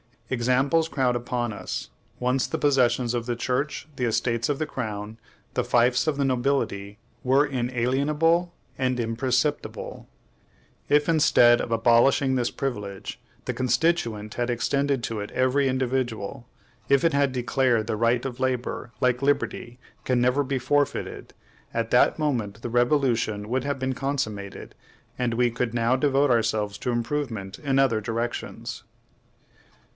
Examples crowd upon us: once the possessions of the church, the estates of the crown, the fiefs of the nobility were inalienable and imprescriptible. If, instead of abolishing this privilege, the Constituent had extended it to every individual; if it had declared that the right of labor, like liberty, can never be forfeited, at that moment the revolution would have been consummated, and we could now devote ourselves to improvement in other directions.